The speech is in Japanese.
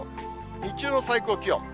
日中の最高気温。